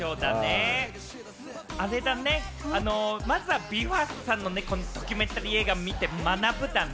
あれだね、まずはＢＥ：ＦＩＲＳＴさんのこのドキュメンタリー映画を見て、学ぶだね。